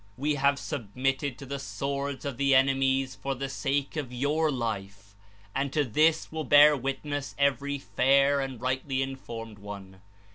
We have submitted to the swords of the enemies for the sake of your life, and to this will bear witness every fair and rightly informed one.